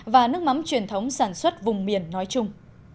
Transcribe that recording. và nước mắm truyền thống sản xuất vùng miền nói chung